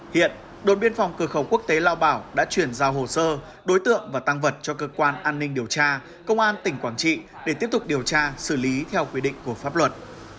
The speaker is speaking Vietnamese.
hiện đồn biên phòng cửa khẩu quốc tế lao bảo đã chuyển giao hồ sơ đối tượng và tăng vật cho cơ quan an ninh điều tra công an tỉnh quảng trị để tiếp tục điều tra xử lý theo quy định của pháp luật